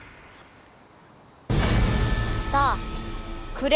さあくれ！